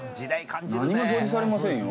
何も表示されませんよ。